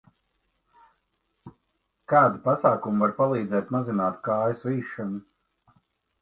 Kādi pasākumi var palīdzēt mazināt kāju svīšanu?